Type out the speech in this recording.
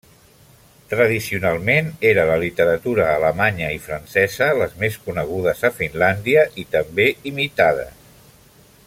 Tradicionalment era la literatura alemanya i francesa les més conegudes a Finlàndia, i també imitades.